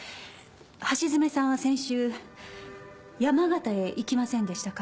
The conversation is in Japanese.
橋爪さんは先週山形へ行きませんでしたか？